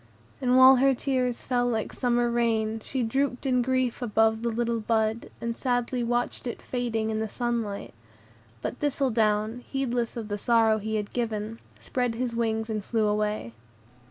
And while her tears fell like summer rain, she drooped in grief above the little bud, and sadly watched it fading in the sunlight; but Thistledown, heedless of the sorrow he had given, spread his wings and flew away.